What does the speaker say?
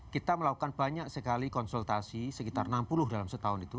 kita melakukan banyak sekali konsultasi sekitar enam puluh dalam setahun itu